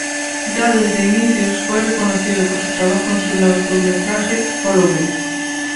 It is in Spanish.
Ya desde sus inicios fue reconocido por su trabajo en su primer largometraje, "Following.